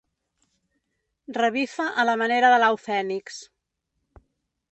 Revifa a la manera de l'au Fènix.